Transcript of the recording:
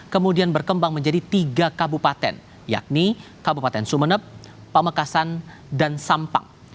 kemudian berkembang menjadi tiga kabupaten yakni kabupaten sumeneb pamekasan dan sampang